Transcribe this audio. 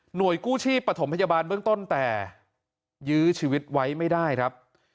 กู้ชีพปฐมพยาบาลเบื้องต้นแต่ยื้อชีวิตไว้ไม่ได้ครับ